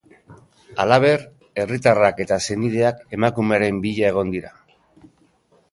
Halaber, herritarrak eta senideak emakumearen bila egon dira.